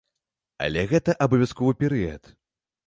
Але гэта абавязковы перыяд.